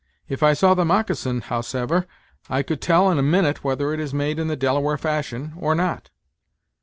If I saw the moccasin, howsever, I could tell, in a minute, whether it is made in the Delaware fashion, or not."